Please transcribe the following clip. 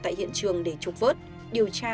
tại hiện trường để trục vớt điều tra